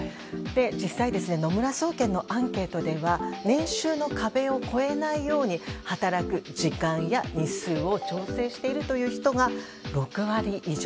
実際、野村證券のアンケートでは年収の壁を超えないように働く時間や日数を調整しているという人が６割以上。